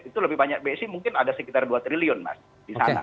itu lebih banyak bsi mungkin ada sekitar dua triliun mas di sana